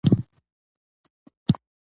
په دې معني چي هر څو رقمي عدد